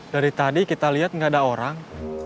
dari tadi kita lihat nggak ada orang